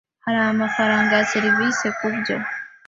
Hariho amafaranga ya serivisi kubyo?